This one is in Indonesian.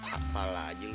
apalah aja ngo